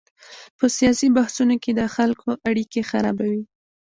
په سیاسي بحثونو کې د خلکو اړیکې خرابوي.